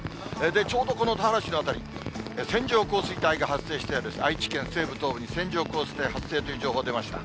ちょうどこの田原市の辺り、線状降水帯が発生している、愛知県西部、東部に線状降水帯発生という情報出ました。